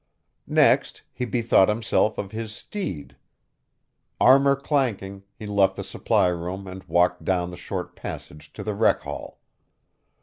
Next, he bethought himself of his steed. Armor clanking, he left the supply room and walked down the short passage to the rec hall.